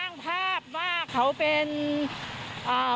คุณประสิทธิ์ทราบรึเปล่าคะว่า